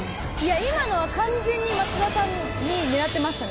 今のは完全に松田さん狙ってましたね。